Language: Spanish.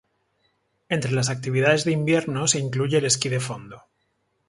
Entre las actividades de invierno se incluye el esquí de fondo.